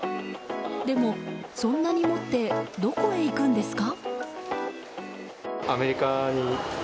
でも、そんなに持ってどこへ行くんですか？